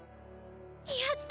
やった！